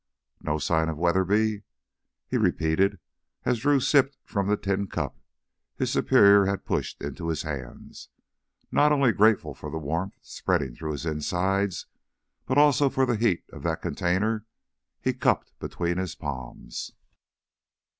No sign of Weatherby?" he repeated as Drew sipped from the tin cup his superior had pushed into his hands, not only grateful for the warmth spreading through his insides, but also for the heat of the container he cupped between his palms.